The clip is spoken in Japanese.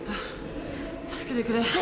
助けてくれ。